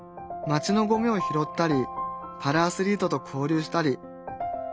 街のゴミを拾ったりパラアスリートと交流したり。